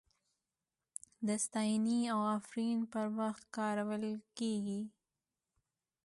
د ستاینې او افرین پر وخت کارول کیږي.